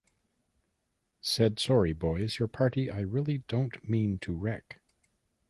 Said sorry boys, your party I really don't mean to wreck.